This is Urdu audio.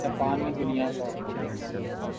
جاپان نے دنیا کا